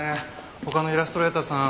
他のイラストレーターさん